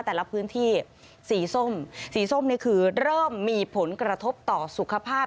แต่ละพื้นที่สีส้มสีส้มนี่คือเริ่มมีผลกระทบต่อสุขภาพ